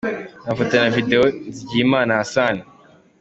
Amafoto na Video: Nizigiyimana Hassan U.